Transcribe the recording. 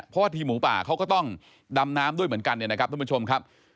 เพราะว่าทีมหมูป่าเขาก็ต้องดำน้ำด้วยเหมือนกันเนี่ยนะครับทุกผู้ชมครับ